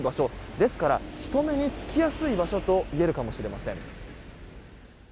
ですから、人目に付きやすい場所といえるかもしれません。